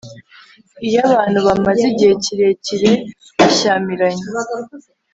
iyo abantu bamaze igihe kirekira bashyamiranye